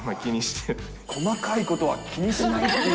細かいことは気にしないっていう。